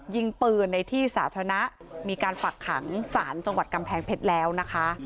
ยิงปืนในที่สาธารณะมีการฝักขังศาลจังหวัดกำแพงเพชรแล้วนะคะ